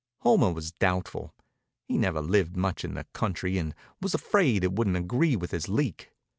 Homer was doubtful. He'd never lived much in the country and was afraid it wouldn't agree with his leak.